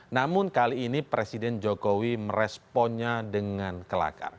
namun kali ini presiden jokowi meresponnya dengan kelakar